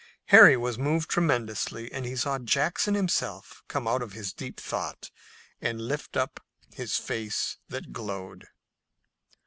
Harry was moved tremendously and he saw Jackson himself come out of his deep thought and lift up his face that glowed.